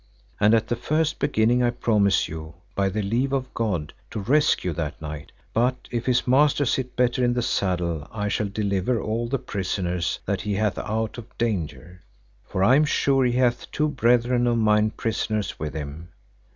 And at the first beginning I promise you, by the leave of God, to rescue that knight; but if his master sit better in the saddle I shall deliver all the prisoners that he hath out of danger, for I am sure he hath two brethren of mine prisoners with him.